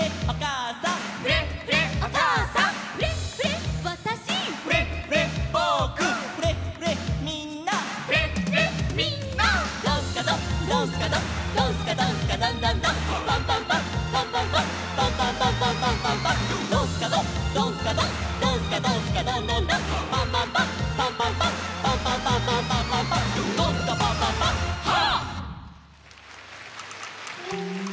「」「フレッフレッわたし」「」「フレッフレッみんな」「」「ドンスカドンドンスカドンドンスカドンスカドンドンドン」「パンパンパンパンパンパンパンパンパンパンパンパンパン」「ドンスカドンドンスカドンドンスカドンスカドンドンドン」「パンパンパンパンパンパンパンパンパンパンパンパンパン」「ドンスカパンパンパンハッ！」